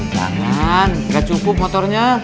tangan nggak cukup motornya